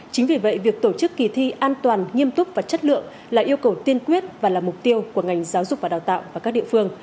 chính vì vậy việc tổ chức kỳ thi an toàn nghiêm túc và chất lượng là yêu cầu tiên quyết và là mục tiêu của ngành giáo dục và đào tạo và các địa phương